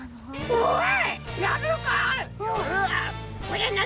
「おい」。